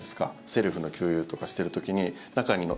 セルフの給油とかしてる時に中に。